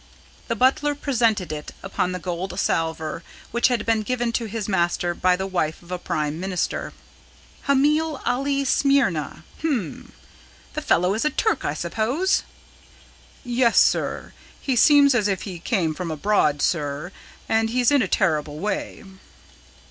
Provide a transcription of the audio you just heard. The butler presented it upon the gold salver which had been given to his master by the wife of a Prime Minister. "'Hamil Ali, Smyrna.' Hum! The fellow is a Turk, I suppose." "Yes, sir. He seems as if he came from abroad, sir. And he's in a terrible way."